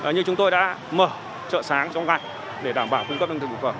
nhưng chúng tôi đã mở chợ sáng trong ngày để đảm bảo cung cấp nương thực thực phẩm